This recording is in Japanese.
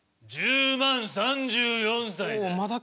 １０万３４歳だ。